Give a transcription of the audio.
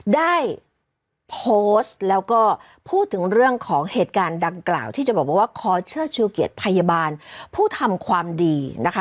ได้โพสต์แล้วก็พูดถึงเรื่องของเหตุการณ์ดังกล่าวที่จะบอกว่าขอเชื่อชูเกียรติพยาบาลผู้ทำความดีนะคะ